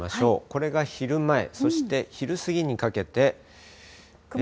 これが昼前、そして昼過ぎにかけて。